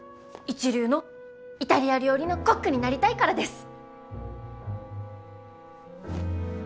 一流のイタリア料理のコックになりたいからです！